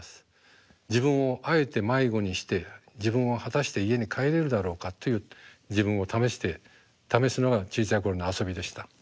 自分をあえて迷子にして自分を果たして家に帰れるだろうかという自分を試して試すのが小さい頃の遊びでした。